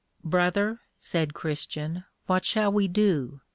Brother, said Christian, what shall we do?